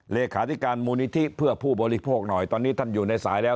เลขาธิการมูลนิธิเพื่อผู้บริโภคหน่อยตอนนี้ท่านอยู่ในสายแล้ว